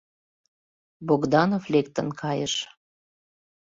Богданов лектын кайыш.